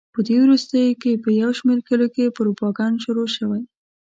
په دې وروستیو کې په یو شمېر کلیو کې پروپاګند شروع شوی.